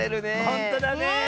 ほんとだね。